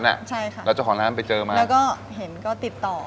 แล้วเจ้าของร้านไปเจอมาแล้วก็เห็นก็ติดต่อ